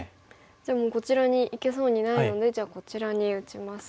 じゃあこちらにいけそうにないのでじゃあこちらに打ちますと。